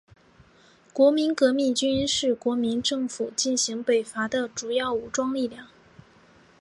国民革命军是国民政府进行北伐的主要武装力量。